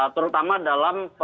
terutama dalam pemperkuatan